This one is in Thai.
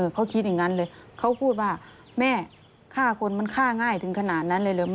เขาคิดอย่างนั้นเลยเขาพูดว่าแม่ฆ่าคนมันฆ่าง่ายถึงขนาดนั้นเลยเหรอ